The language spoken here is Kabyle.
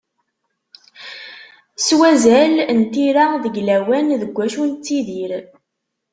S wazal n tira deg lawan deg wacu nettidir.